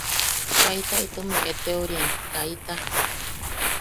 –Kaita itom eʼeteoriam, kaita.